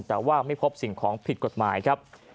แต่ว่าไม่พบสิ่งของผิดกฎหมายครับ